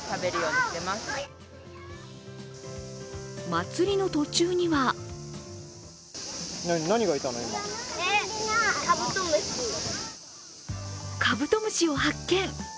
祭りの途中にはカブトムシを発見。